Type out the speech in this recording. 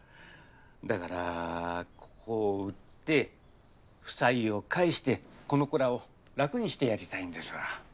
だからここを売って負債を返してこの子らを楽にしてやりたいんですわ。